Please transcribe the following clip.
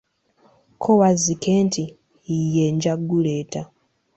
Ko Wazzike nti, yee nja guleeta.